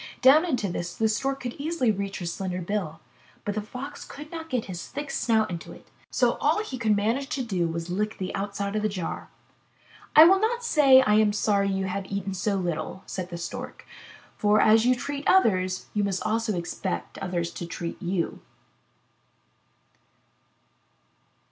Down into this the Stork could easily reach her slender bill, but the Fox could not get his thick snout into it. So all he could manage to do was to lick the outside of the jar. "I will not say I am sorry you have eaten so little," said the Stork, "for as you treat others, so must you expect others to treat you.''